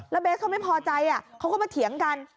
แล้วเบสเขาไม่พอใจเขาก็มาเถียงกัน